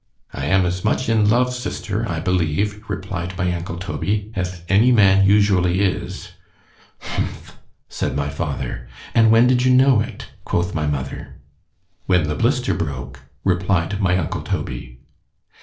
I am as much in love, sister, I believe, replied my uncle Toby, as any man usually is——Humph! said my father——and when did you know it? quoth my mother—— ——When the blister broke; replied my uncle _Toby.